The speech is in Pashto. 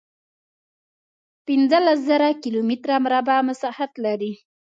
پنځلس زره کیلومتره مربع مساحت لري.